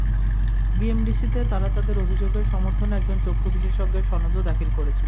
বিএমডিসিতে তাঁরা তাঁদের অভিযোগের সমর্থনে একজন চক্ষু বিশেষজ্ঞের সনদও দাখিল করেছিলেন।